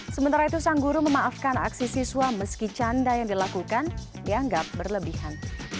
sementara itu sang guru memaafkan aksi siswa meski canda yang dilakukan dianggap berlebihan